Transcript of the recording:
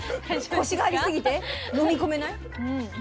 コシがありすぎて飲み込めない？